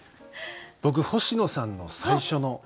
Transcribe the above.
僕星野さんの最初の。